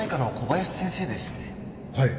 はい